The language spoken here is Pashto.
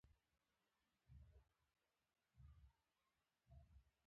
ژوند په عذابونو او رنځونو واړوي.